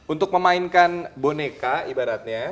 untuk memainkan boneka ibaratnya